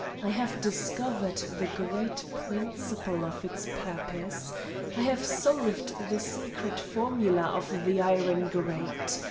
I have discovered the great principle of its purpose! I have solved the sacred formula of the iron grate!